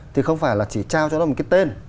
thì không phải là chỉ trao cho nó một cái tên